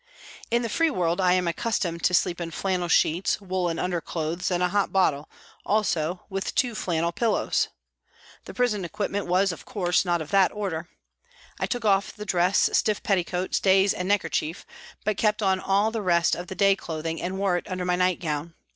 In the free world I am accustomed to sleep in flannel sheets, woollen under clothes, and a hot bottle, also with two flannel pillows. The prison equipment was, of course, not of that order. I took off the dress, stiff petticoat, stays and necker chief, but kept on all the rest of the day clothing and wore it under my night gown.